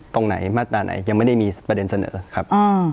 ตรงไหนมาตราไหนยังไม่ได้มีประเด็นเสนอครับ